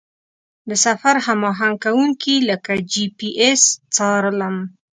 د سفر هماهنګ کوونکي لکه جي پي اس څارلم.